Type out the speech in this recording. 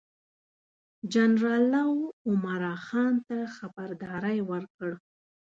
جنرال لو عمرا خان ته خبرداری ورکړ.